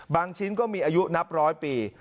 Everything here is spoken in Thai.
ชิ้นก็มีอายุนับร้อยปี